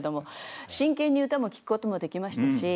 真剣に歌も聴くこともできましたし